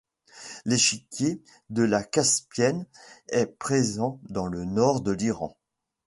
L'Échiquier de la Caspienne est présent dans le nord de l'Iran.